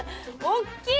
大きい！